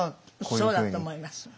そうだと思います。